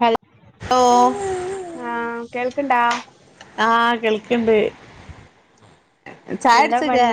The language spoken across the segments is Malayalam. ഹൽ ഓ കേൾക്ക്ണ്ടാ ആഹ് കേൾ ക്ക്ണ്ട് ചായട്ച്ചിലേ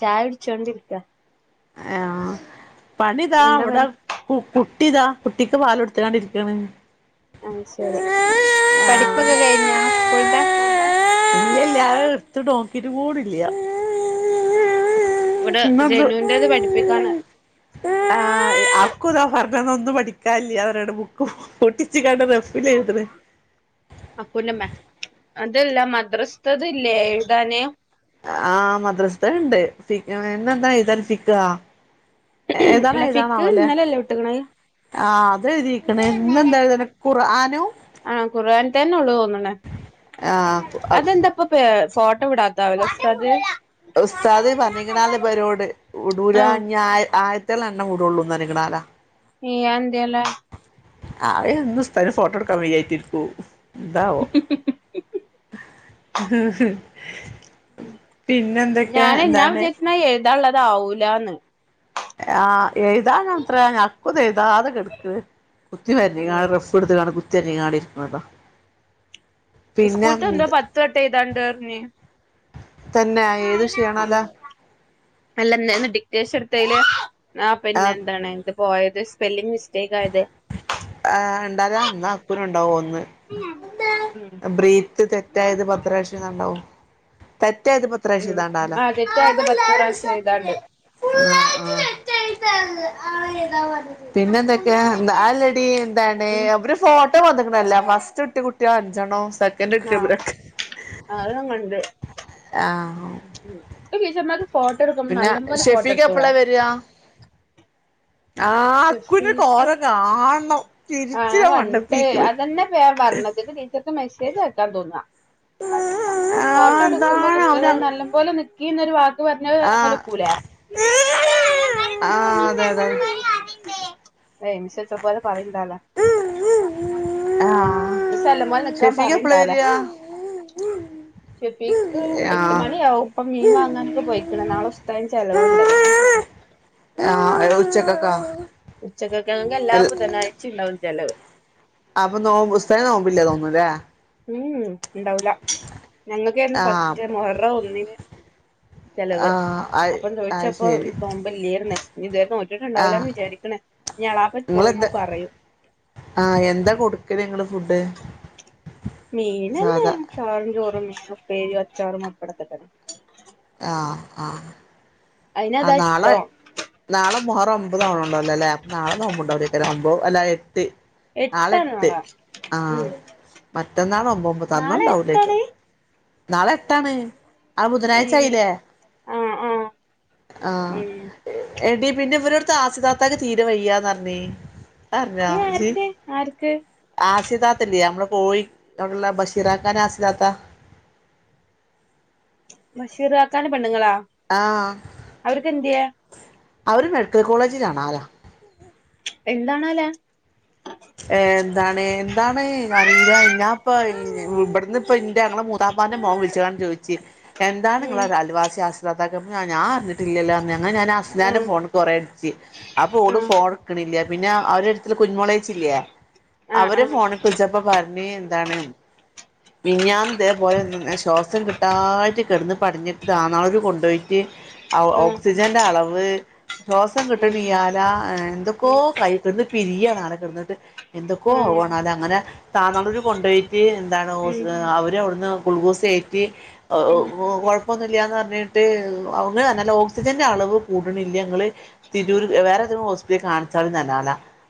ചായട്ച്ചോണ്ടിരിക്കാ ആഹ് പണിതാ എന്താ അവിടെ പണി കു കു കുട്ടി ഇതാ കുട്ടിക്ക് പാല കൊടുത്തിട്ടാണ്ടിരിക്കണ ആഹ ശരിയാ പഠിപ്പൊക്കെ കഴിഞ്ഞാ സ്കൂളന്റൊ ഇല്ലല്ലരും എർത്ത് നോക്കിട്ട് കൂടില്ലയാ ഇവിടെ മ്മ് മ്മ മാ ബ് ജനുന്റേത് പഠിപ്പിക്കാണ് ആ അക്ദാ ഫർ അന്നൊന്നും പഠിക്കാില്ലേ അവരടെ ബുക്ക് പൊട്ടിച്ചച്ച് കണ്ടത് അപ്പന്നമ്മ അതല്ല മദ്രസത്തത് ഇല്ലേ എഴുതാനേ ആഹ മദ്രസത്തെ ഉണ്ട് ഇന്ന് എന്നെന്താ എഴുതാൻ ഫിക്ഹ ഏതാണോ അല്ല ഫിക്ക് ഏതാണാവല്ലെ ഇന്നലെല്ലേ വിട്ട്ക്ക്ണത് ആ അത് എഴുതിക്കണ് ഇന്ന എന്താനീ ഖുർ ഹാണോ ആഹ കുഖർആൻ തന്നെ ഉള്ളത് തോന്നണേ അതെന്താപ്പ പേ ഫോട്ടോ വിടാത്താവലെ ഉസ്താദ് ഫോട്ടോ ഉസ്സാദ് വിട്ണ പറഞ്ഞിക്കണല് പരിപാടി പരോട് നിർത്തി. വിടൂലാ ആഹ് ഞാ ആ ആയിരത്തി എറ്റല്ല എണ്ണ കൂടുള്ളൂന്ന നനങ്ങണാലാ ആ എന്തേലിയോ ആ എന്ന് ഉസ്താദിന് ഫോട്ടോ എടുക്കാൻ വൈായിട്ടിരിക്കു ദാവ ഹ് ഹ്ഹ ഞൻഞാ എന്താണ് വിചാരിച്ചിരിക്കണേ എഴുതാനുള്ളത്ാവൂലന്ന് ആ് എഴുതാത്ര അക്കുത എഴുതാതെ കെടുക്ക കുത്തി മരഞ്ഞങ്ങട് റഫ് എടുത്ത കാാണ് കുത്തി അഞ്ഞങ്ങടി ഇരിക്കുന്നതോ സ്കൂള ത എന്ത പത്ത് തട്ട എതാണ്ട്ഞ്ഞ തന്നെ ഏത് ഉ വിഷയാണോല്ലോ അല്ല ഡിക്റ്റേഴ്സ് എടുത്തതില് ആ പിന്നെ എന്താണ് എന്ന്ത് പോയത് സ്പെല്ലിങ് മിസ്റ്റേക്ക് ആയത് ആ ഉണ്ടാല എന്ന അക്കുനു ഉണ്ടാവ ഉം ബ്രീത്ത് തെറ്റായത് പത്രക്ഷണ്ടാവോതെ തെറ്റായത് പത്രക്ഷം ഉം യെതാണ്ടാലോ ആ തെറ്റായത് പത്ത് പ്രാവശ്യം എഴുതാണ്ട് ഫുള്ളൈറ് ച ച പിന്നെ എന്തൊക്കെയാ ആല്ലടി എന്താണ് ഉം അവര് ഫോട്ടോ വ അങ്ങനല്ല ഫസ്റ്റ് കുട്ട കുുട്ടിയോ അഞ്ചെണോ സെക്കൻഡ് ആ ഒക്ടോബർക്കെ അത് ഞാൻ കണ്ട് ആഹ നമ്മത് ഫോട്ടോ എടുക്കും നല്ല പോോലെ ഫോട്ടോ എടുത്തോളാ എപ്പളാ വരിക ആഹ് അക്കുന്റെ സ്പിസിപ്സ് കോലം കാണണം ആ ചിരിച്ച് ഞൻ ഞാൻ കണ്ട മണ്ടപ്പിക്കണ് അതന്നെഫെ പറഞ്ഞിട്ട് ടീച്ചർക്ക് മെസ്സേജ് ആക്കാൻ തോന്നാം ഫോട്ടോ ആഹ് എടുക്കുമ്പോ എന്താണ് അവന് കുട്ടികളോട് നല്ല പോോലെ നിക്കിന്നൊരു വാ പറഞ്ഞേദ് യെല്ലെപോലും ആഹ് ഒക്കൂല്ല ആഹ് അതെ അതെ ടെ ഏ ഇനിിഷ ഇത്ര പോലെ പറയ ഉം ഉ ഉആ മി സല്ലമൽ നിക്കാൻ പറണ്ട അല്ലേ ഷെഫീക്ക് എട്ട് ആഹ് മണിയാാവും ഇപ്പ മീൻ വാങ്ങാൻ ഇപ്പൊ പോയിക്കണ്. നാള ഉസ്താദിന് ചെലവുണ്ട് ആഹ ഉച്ചകക്ക ഉച്ചക്കൊക്കെണെങ്കിൽ എല്ലാ ബുധനാഴ്ച ഉണ്ടാവും ചെിലവ് അപ്പൊ നോമ്പ ഉസ്താ ദിന നോമ്പില്ലേ തോന്നുന്നല്ലേ ഉംഉം ഉണ്ടാവല ഞങ്ങൾക്കർന്നു ആഹ് ഫസ്റ്റ് മുഹറം ഒന്നിന് ചെലവ് ആഹ് അത് അപ്പം അത് ചോദിച്ചപ്പോൊ ശരി നോമ്പല്ലരുന്ന ഇീതുോവരെ നോറ്റ് ആഹ് ട്ടുണ്ടാവൂലന്ന് വിചാരിക്കണ ഞാളാപ്പ പോയിട്ട് പറയു ആഹ എന്താ കൊടുക്കല് നിങ്ങള് ഫുഡ് മീനന്നെ സാധാ ചാറും ചോറും മീ പേരിും അച്ചാറും പപ്പടകോതന്നെ ആ ആ അയിനതാ നാളെ ഇഷ്ടം നാളെ മുഹറ ഒമ്പത് ആവണലോ ലേ നാള നോബു ഉണ്ടാവൂലേക്കാരം ക്കമ്പോ അല്ല ട്ട് എട്ടാണ് നാളെട്ട് ആള് ആഹ് ഉം മറ്റന്നാള് ഒമ്പവുമ്പോ നാളെ തന്നണ്ടാവൂലേയ്ക്ക എട്ടാണ് നാളെ എട്ടാണ് ആ ഏ ബുധനാഴ്ചായിലേ ആഹ് ആഹ് ആ ഉം എടീ പിന്നെ ഇവരോട്ത്തെ ആസ്യ താത്താക്ക് തീരെ വയ്യാന്നറഞ് അതർഞ്ഞോ ഈ ഇജ് ആർക്ക് ആർക്ക് ആസ്യ താത്തല്യേ നമ്മളെ കോഴി അവിടെള്ള ബഷീറാക്കാന്റെ ആസ്യ താത്താ ബഷീറാക്കാന്റെ പെണ്ണ്ങ്ങളാ ആഹ് അവർക്ക് എന്ത്യെ? അവര് മെഡിക്കൽ കോളേജിലാണാ ലാ എന്താണാലാ? ഏഹ് എന്താണ് എന്താണ് അറീല ഞാ ഇപ്പ ഇബട്ന്ന്പ്പ ഇന്റെ ഞങ്ങളെ മൂത്താ പ്പാന്റെ മോൻ വിളിച്ച്ങ്ങാണ്ട് ചോയ്ച്ച് എന്താണ് ഉം ഇങ്ങളൊരു അയൽവാസി ആസ്യ താത്താക്ക് അപ്പൊ ഞാ ഞാൻ അറിഞ്ഞി ട്ടില്ല്യല്ലോ പറഞ് അങ്ങനെ ഞാൻ അസ്നാന്റെ ഉം ഫോൺക്ക് കൊറേ അടിച്ച് അപ്പൊ ഓള് ഫോൺ ഇട്ക്കണില്ല്യ പിന്നെ അവരട്ത്ത്ള്ള കുഞ്ഞുമോളെ ചില്ല്യേ ആഹ് അവരെ ആഹ് ഫോണ്ക്ക് വിളിച്ചപ്പോ പറഞ്ഞ് എന്താണ് മിൻഞാന്ന് ഇതേപോലെ ശ്വാസം കിട്ടായിട്ട് കെടന്ന് പെടഞ്ഞിട്ട് താനാളൂര് കൊണ്ടോയിട്ട് ആ ആഹ് ഓക്സിജന്റെ അളവ് ശ്വാസം ആഹ് ഉം കിട്ടണില്ല്യാലാ ഏ എന്തൊക്കോ കൈ ക്കെടന്ന് പിരിയാണ് എന്നിട്ട് എന്തൊക്കോ ഉം ആഹ് ആവാണ് അ അങ്ങനെ താനാളൂരു കൊണ്ട് പോയിട്ട് എന്താണ് ഉം ഹോസ് അവര് - ന്ന് ഗ്ലുക്കോസ് കേറ്റി ഉം കൊഴപ്പൊന്നൂല്ല്യാന്ന് പറഞ്ഞിട്ട് [unintelligible] അവർ ഓക്സിജൻ- ക്സിജന്റെ അളവ് കൂടണില്ല്യ നിങ്ങള് തിരൂര് വേറെതേലും ഹോസ്പിറ്റലിൽ കാണിചോളി നല്ലാല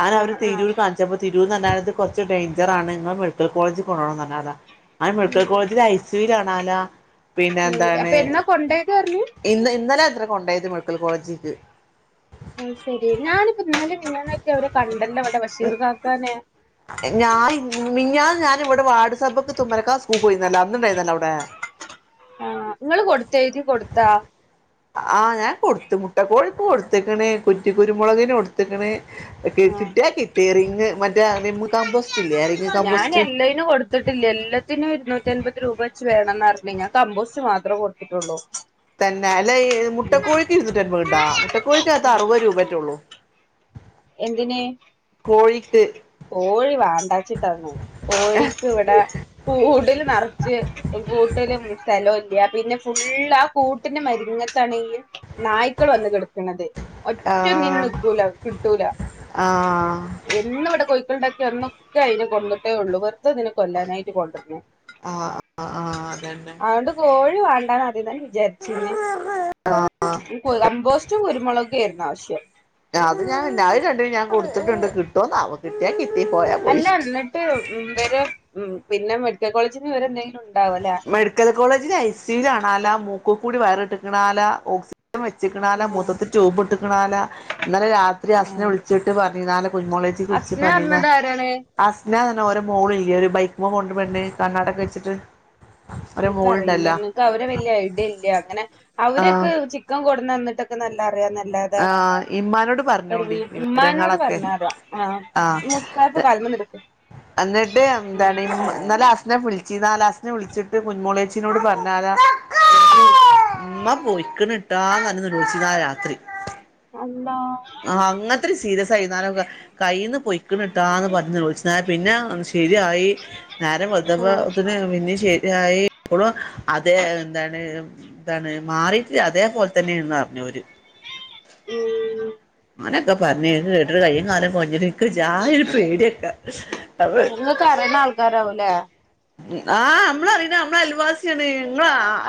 അങ്ങന അവര ആഹ് ആഹ് തിരൂർ കാണിച്ചപ്പോ തിരൂർ പറഞാന്നത് കുറച്ച് ഡേഞ്ചർ ആണ് നിങ്ങള് മെഡിക്കൽ കോളേജ് കൊണ്ടോണം നന്നാതാ അങ്ങനെ ഉം മെഡിക്കൽ കോളേജില് ഐ സി യുവിലാണാല്ല പിന്നെ ഉം എന്താണ് അപ്പൊ എന്നാ കൊണ്ടേയത് പറഞ്ഞ് ഇന്ന് ഇന്നലെ അത്ര- ഇപ്പൊ കൊണ്ടായത് മെഡിക്കൽ കോളേജിക്ക് അത് ശരി ഞാനിപ്പോ ഇന്നലേ മെനഞ്ഞാന്നോക്കെ അവരെ കണ്ടല്ലോ നമ്മടെ ബഷീർ കാക്കാനെ മിനിഞ്ഞാന്ന് ഞാനിവിടെ വാർഡ്‌ സഭക്ക് തുമരക്കാ സ്കൂളി പോയിരുന്നല്ലോ അന്ന് ഉണ്ടായിരുന്നല്ലോ അവിടെ ആഹ് ഇങ്ങള് കൊടുത്തോ എഴുതി കൊടുത്താ ആ ഞാൻ കൊടുത്ത് മുട്ട കോഴിക്ക് കൊടുത്തെക്കണ് കുറ്റി കുരുമുളകിന് കൊടുത്തെക്കണ് കി ആഹ് കിട്ടിയാ കിട്ടി റിങ് മറ്റേ റിങ്ങ് മറ്റേ റിംമ് കമ്പോസ്റ്റിക് ഇല്ലേ റിങ് ഞാൻ കമ്പോസ്റ്റ് എല്ലായ്‌നും കൊടുത്തിട്ടില്ല എല്ലാത്തിനും ഇരുന്നൂറ്റി അൻപത് രൂപ വെച്ച് വേണം എന്നാ പറഞ്ഞെ - ഞാൻ കമ്പോസ്റ്റ് മാത്രേ കൊടുത്തിട്ടുള്ളൂ തന്നെ അല്ലേ മുട്ട കോഴിക്ക് ഇരുന്നൂറ്റി അമ്പത് ഇണ്ടാ മുട്ടക്കോഴിക്കകത്ത് അറുപത് രൂപ മറ്റേ ഉള്ളൂ എന്തിന് കോഴിക്ക് കോഴി വാണ്ടാച്ചിട്ടാനെ കോഴിക്ക് ഇവിടെ കൂടില് നറച്ച് - കൂട്ടിലും സ്ഥലൊയില്ല പിന്നെ ഫുള്ള് ആ കൂട്ടിന്റെ മരുന്നിത്താ [unintelligible] ണെങ്കിൽ നായ്ക്കൾ വന്ന് കിടക്കണത് ഒറ്റ ആഹ് നിന്ന് നിക്കൂല്ല ആഹ് ഇവിടെ കോഴിക്കളുണ്ടാക്കി ഒരെണ്ണോ ഒക്കെ അതിനെ കൊന്നിട്ടെ ഉള്ളൂ വെറുത ഇതിനെ കൊല്ലാനായിട്ട് കൊണ്ട് വന്നു ആഹ് ആഹ് അതന്നെ അതുകൊണ്ട് കോഴി വേണ്ടാന്ന് ആദ്യം തന്നെ ജാരിച്ചീന് കമ്പോസ്റ്റും കുരുമുളകൊക്കെ ആയിരുന്നു ആവശ്യം അത് ഞാൻ അയിന് രണ്ടിനും ഞാൻ കൊടുത്തിട്ടുണ്ട് കിട്ടോന്നാവൊ കിട്ടിയാ കി അല്ല എന്നിട്ട് ഉം വരെ ഉം പിന്നെ മെഡിക്കൽ കോളേജിന്ന് വിവരെന്തായി മെഡിക്കൽ കോളേജിൽ ഐസിയുൽ ആണാല മൂക്കി കൂടി വയറിട്ടുക്കണാല ഓക്സി മം വെച്ചിക്കിണാല്ല ആഹ് മൂത്രത്തിൽ ട്യൂബ് ഇട്ടിക്ക്ണാല ഇന്നലെ രാത്രി അസ്ന ആഹ് വിളിച്ചിട്ട് പറഞ് കുഞ്ഞുമോളെ ഇജ്ജ് വിളിച്ചു അസ്ന പറഞ്ഞീല പറഞ്ഞത് ആരാണ് അസ്ന ഓരെ മോൾ ഇല്ല്യേ ഒരു ബൈക്ക്മ്മ പോണൊരു പെണ്ണ് കണ്ണടൊക്കെ വെച്ചിട്ട് ഓരോ നിക്കറിയില മോളുണ്ടല്ലോ നിക്ക് അവരെ വലിയ ഐഡിയ ഇല്ല്യ അങ്ങനെ ആഹ് അവരുക്ക് ചിക്കൻ കൊട് ന്നങ്ങോട്ടൊക്കെ നല്ല അറിയാവുന്ന ല്ലാലെ ആഹ് ഇമ്മാനോട് ഒരു പറഞ്ഞോണ്ടി വീടി ഉമ്മാനോട് വിവരങ്ങളൊക്കെ പറഞ്ഞാത ആ മൂത്തു [unintelligible] അന്നിട്ട് എന്താണീ മ് ന്നലെ അസ്നാം വിളിച്ചീ ന്നാലാ അസ്ന വിൾ ൾളിച്ചിട്ട് മുന്മോളേച്ചീനോട് പറഞ്ഞാരാ ഉം ഉമ്മ പോയിക്ക്ണ് ട്ടാ ന്ന്പറഞ്ഞ്ന്നിര് വിളിച്ച് ന്നാരാത്രി അ ആഹ് അങ്ങൻത്തൊരു സീരിയസ്സായിന്ന് [unintelligible] കയ്യിന്ന് പൊയ്ക്ക്ണട്ടാന്ന് പറഞ്ഞ് വിൾച്ച്താ പിന്നെ ശെരിയായി നേരം വെളുത്തപ്പ ആഹ് ത്തേന് പിന്നെ ശരിയായി അപ്പോഴും അതേ എന്താണ് എന്താണ് മാറിട്ട് അതേപോലെ തന്നെയന്ന് പറഞ്ഞു ഓര് ഊം ഓനൊക്കെ പറഞ്ഞങ്ങ് കേട്ടിട്ട് കയ്യും കാലും കൊയ്ഞ്ഞ്ട്ട് ക്ക് ച്ഛായ ഒരു പേടിയൊക്കെ നിങ്ങക്കരേണ ആൾക്കാരാവുംലേ ആ അമ്മ്ളറിയണ അമ്ളെ അയൽവാസിയാണ്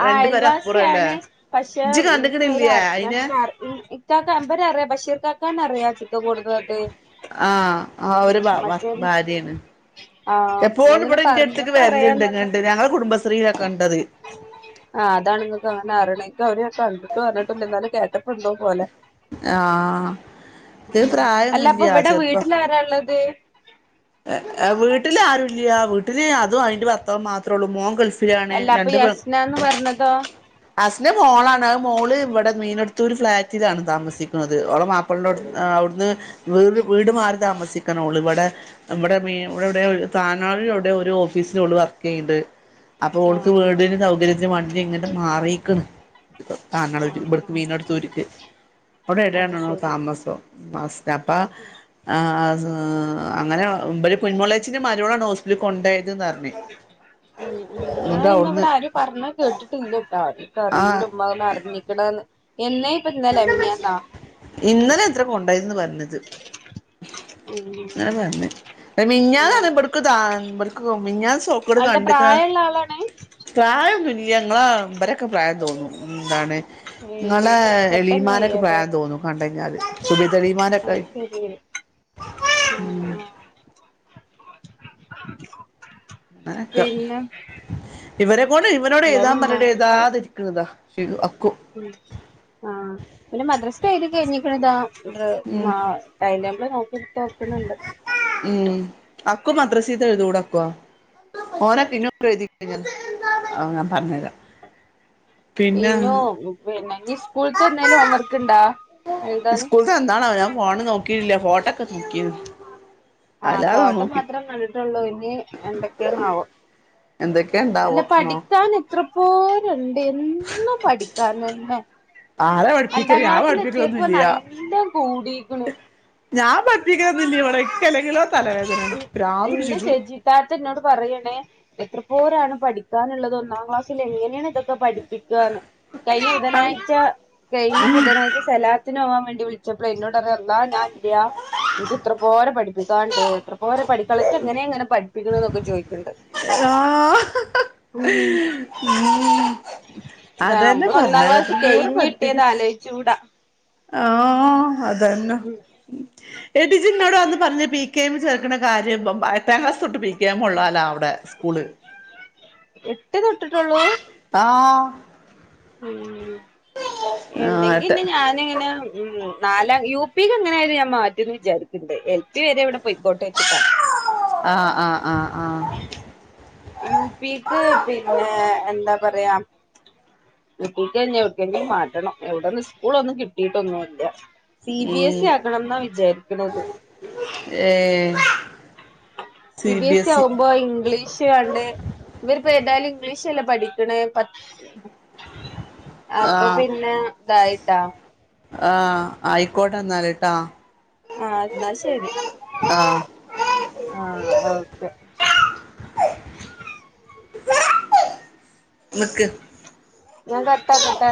ആ അയൽവാസിയാണ് പക്ഷേ ഇജ്ജ് ഇൻക്ക് കണ്ടക്കണില്ലേ അവരെ അറ് ഞാൻ അയിനെ കാറ് ഇൻഇക്കാക്ക ഇമ്പരെ ക്കറിയാ ബഷീറ്ക്കാക്കാനറിയാ ചിക്കകൊടുത്തതൊട്ട് ആ ആ ഒര് ഭ ഭർ ഭാര്യാണ് ആഹ് എപ്പോഴും നിങ്ങളിങ്ങനെ ഇവ്ടെ ഇന്റെ അടുത്തേക്ക് പറഞ്ഞപ്പോ അറിയാന്നല്ല വരല്ണ്ട്ങ്ങണ്ട് ഞങ്ങള കുടുംബശ്രീയിലൊക്കെ ഉണ്ടത് ആ അതാണ് ഇങ്ങക്ക് അവനെ ആറീണെ ഇക്ക ഒരീസം അവര്ത്ത് പറഞ്ഞിട്ട്ണ്ട് എന്നാലും കേട്ടപ്പൊ എന്തോ പോലെ ആഹ് ഇത് അല്ല അപ്പൊ പ്രായൊന്നുല്ല ഇവ്ടെ ചെറുപ്പ വീട്ടിൽ ആരാള്ളത് ഇല്ല്യാ വീട്ടില് അതും അയിൻ്റെ ഭർത്താവും മാത്രേള്ളൂ മോൻ ഗൾഫ് ലാണ് അല്ല അപ്പൊ രണ്ട് പെ യസ്നാന്ന് പറഞ്ഞതോ അസ്സ്ന്റെ മോളാണ് മോള് ഇവടെ മീനടുത്തൊരു ഫ്ലാറ്റിലാണ് താമസിക്കുന്നത് ഓളെ മാപ്പിളോട് അ അവിടുന്ന് വെറ് വീട് മാറി താമസിക്കണോള് ഇവടെ നമ്മടെ വീ ഇവിടെവിടെയോ താനാവിഎവ്ടെയോ ഒരു ഓഫീസിലോള് വർക്ക് ചെയ്യ്ണ്ട് അപ്പൊ ഓടുക്ക് ആഹ് വീടിനും സൗകര്യത്തിനും വേണ്ടിട്ട് ഇങ്ങ്ട് മാറീക്ക്ണ് ത് താൻനാടൊര് ആഹ് ഇവ്ട്ക്ക് ആഹ് വീട്നട്തൊരു ക്ക് അത് അവ്ടെഏടണ്ടോണുണ് ശരി താമസൊ പാസ്റ്റപ്പ ആ ആ സ്അ അങ്ങനെഒ ഉം മ്പര്കുഞ്ഞ്മോളേച്ചീടെ മര്വോളാണോ ഹോസ്പ്പില് ഉം ഉം എന്നിട്ട് ഞാനിന്നിവിടെ അവിടുന്ന് ആര് പറഞ്ഞ് കേട്ടിട്ടില്ല്യട്ടാ ട്ടറിയൂല ആഹ് ഉമ്മാർഞ്ഞാ അടങ്ങിനിക്കണാന്ന് ഇന്നലെ എത്ര കൊണ്ടായിന്ന് പറഞ്ഞത് ഉം ഞാമ്പർഞ്ഞ് ഏ മിൻഞ്ഞാന്നാന്ന്പെട്ക്ക്താപെട്ക്കു മിൻഞ്ഞാ സോക്കട് അല്ല കണ്ട്ക്കാ പ്രായള്ള ആളാണ് പ്രായൊന്നുല്ല്യേ ഞങ്ങളെ ബരൊക്കെ പ്രായം തോന്ന്ന്നു ന്താണ് ഏയ് ഇങ്ങളെ പെട്ടെന്ന് ബീമാരെക്കെ പ്രായന്തോന്ന്ന്നു കണ്ട് കഴ്ഞ്ഞാല് അയ് ശെരിയാണ് ആ ആ പിന്നെ ഇവനെക്കൊണ്ട് ഇവനോട് എന്തായാലും എഴുതാമ്പറഞിട്ട് ഉമ്മാനോട് പറയാം എഴുതാതിരിക്കുന്നതാ ചെയ്തു ആ ഉം ആ പിന്നെ മദ്രസ്സ എയ്തിക്കയ്ഞ്ഞിക്കണ്താ ദ് ഉം മ അയ്ൻ്റെ മെനോക്കിട്ടോക്കണുണ്ട് ഊം അക്കു മദ്രസീത്തെഴുതൂടക്വോ ഓനെ പിന്നോഴുതിക്കഴിഞ്ഞ ഹ ഞാൻ പറഞ്ഞു തരാം ഈനു പിന്നെ നിസ്കൂൾത്തെ എന്തേലും ഹോം വർക്ക് ഇണ്ടോ സ്കൂൾത്തെ എന്താണാവോ ഞാൻ ഫോണ് നോക്കിയില്ല പോട്ടെ ആഹ് ഫോട്ടോ നോക്കി മാത്രം കണ്ടിട്ടുള്ളൂ ഇനി എന്തൊക്കെയാണാവോ എന്തൊക്കെയ അല്ല ഉണ്ടാവോ എന്നോ പഠിത്താണിത്ര പാടെണ്ട് എന്നും പഠിക്കാനെന്നെ ആരാ പഠിപ്പിക്ക രണ്ടാം ഞാൻ ക്ലാസ്സിലെത്തിയപ്പോ പഠിപ്പിക്കലൊന്നുംല്ല നല്ല കൂടീക്കണു ഞാൻ പഠിപ്പിക്കലൊന്നുംല്ല ഇവിടെ ഇക്ക് അല്ലെങ്കിലോ തലവേദന ഇ പ്രാന്ത് ഇന്റെ പിടിച്ചിട്ട് സജിത്താത്ത ഇന്നോട് പറയ്യാണേ എത്ര പോരാണ് പഠിക്കാനുള്ളത് ഒന്നാം ക്ലാസ്സിൽ എങ്ങനെയാണ് ഇതൊക് പഠിപ്പിക്കന്ന് കഴി ബുധനാഴ്ച കഴിഞ്ഞ ബുധനാഴ്ച സലാത്തിന് പോകൻ വേണ്ടി വിളിച്ചപ്പോ എന്നോട്റല്ലാ ഞാൻല്ലയാ എനിക്ക് ഇത്ര പോരെ പഠിപ്പിക്കാണ്ട് എത്ര പോ പഠിക്കളൊക്കെ എങ്ങനെയ എങ്ങനെ പഠിപ്പിക്കണ എന്നൊക്കെ ചോദിക്കണ്ട് ആഹ് ഉം ഉ അ അതന്നെ നമ്മള് ഒന്നാം പറഞ്ഞത് ക്ലാസ് കഴിഞ്ഞിട്ടിയത് ആലോചിച്ചൂടാ ആ അതന്നെ എഡിജിനോട് വന്ന് പറഞ്ഞ പ ചേർക്ക കാര്യം എത്താം ക്ലാസ് തൊട്ട് പിിക്കുക ഉള്ളാലോ അവിടെ സ്കൂള് എട്ട് തട്ടിട്ടുള്ളൂ ആഹ് ഉ ആഹ് എട്ട് എല്ലെങ്കിന്ന ഞാന ഇങ്ങനെ ഉ നാലാം യു പിക്ക് എങ്ങനെയ ആരുന്നു ഞാൻ മാറ്റന്ന് വിചാരിക്കണ്ട് എൽ പി വരെ ഇവിടെ പൊയിക്കോട്ട് വെച്ചിട്ടാണ് ആഹ് ആ ആഹ് യു പിക്ക് പിന്നെ ആഹ് എന്താ പറയാ നക്ക കഴിഞ്ഞ എർക്കെങ്കിലും മാറ്റണം എവിടെന്ന് സ്കൂള ഒന്നും കിട്ടീട്ടൊന്നുംല്ല സി ബി എസ് ഉം സ ആകണം എന്നാ വിചാരിക്കത് ഏ സി ബി എസ് സി ആവുമ്പോ ഇംഗ്ലീഷ് കണ്ട് ഇവര്പ്പോ എന്തായാലും ഇംഗ്ലീഷല്ല പഠിക്കണ പ അപ്പൊ പിന്നെ ഇതായി ട്ട ആഹ ആയിക്കോട്ടെ എന്നാല കേട്ടാ ആഹ അാ ശരി ആഹ് ആഹ ഓക്കെ മക്ക് ഞാൻ കറത്ത ആാക്കട്ടെ